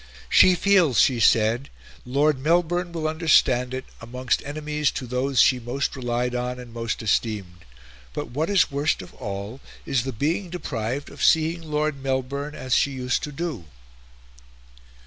"She feels," she said, "Lord Melbourne will understand it, amongst enemies to those she most relied on and most esteemed; but what is worst of all is the being deprived of seeing Lord Melbourne as she used to do."